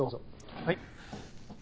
はい。